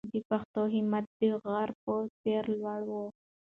د پښتنو همت د غره په څېر لوړ و.